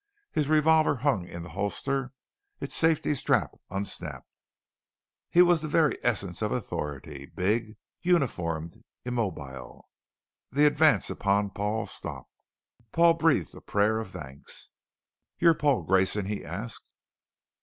His revolver hung in the holster, its safety strap unsnapped. He was the very essence of Authority, Big, Uniformed, Immobile. The advance upon Paul stopped. Paul breathed a prayer of thanks. "You're Paul Grayson?" he asked.